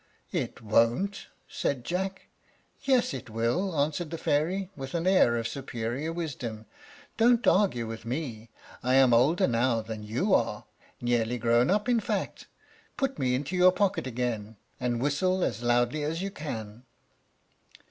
"It won't," said Jack. "Yes it will," answered the fairy, with an air of superior wisdom. "Don't argue with me; I am older now than you are, nearly grown up, in fact. Put me into your pocket again, and whistle as loudly as you can."